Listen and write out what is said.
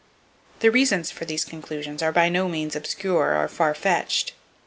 [Page 174] The reasons for these conclusions are by no means obscure, or farfetched.